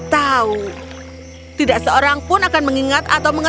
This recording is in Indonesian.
tidak ada yang tidak ada yang tidak ada yang tidak ada yang